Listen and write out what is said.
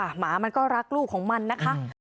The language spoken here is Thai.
หมามันก็รักลูกของมันนะคะ